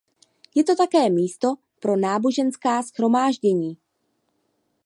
Je to také místo pro náboženská shromáždění.